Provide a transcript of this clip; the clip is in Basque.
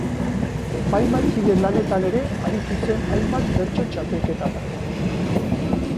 Epaimahaikide lanetan ere aritu zen hainbat bertso txapelketatan.